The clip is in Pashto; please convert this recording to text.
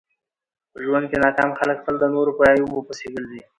په ژوند کښي ناکام خلک تل د نور په عیبو پيسي ګرځي.